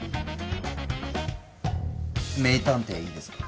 名探偵いいですか？